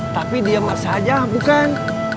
tapi dia masih aja bukan